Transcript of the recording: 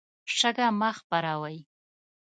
شګه مه خپروئ.